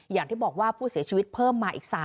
อย่างที่บอกว่าผู้เสียชีวิตเพิ่มมาอีก๓